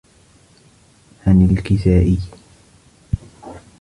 عَنْ الْكِسَائِيّ